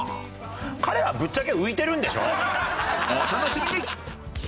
お楽しみに！